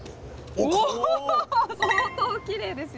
おぉ相当きれいですよ。